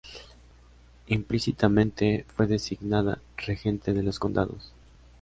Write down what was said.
Implícitamente, fue designada regente de los condados.